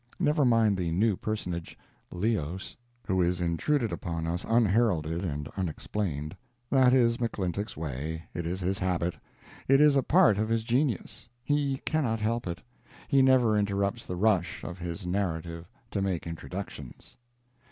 Never mind the new personage, Leos, who is intruded upon us unheralded and unexplained. That is McClintock's way; it is his habit; it is a part of his genius; he cannot help it; he never interrupts the rush of his narrative to make introductions.